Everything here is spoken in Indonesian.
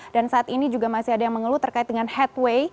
dan saat ini juga masih ada yang mengeluh terkait dengan headway